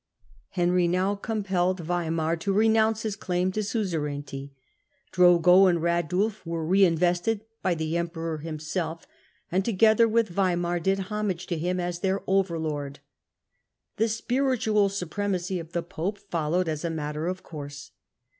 Henry now compelled Waimar to renounce his claim to suzerainty ; Drogo and Radulf were re invested by the emperor himself, and together with Waimar did homage to him as their over lord. The Spiritual supremacy of the pope followed as a matter of course.